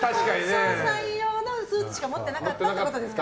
冠婚葬祭用のスーツしか持ってなかったってことですか。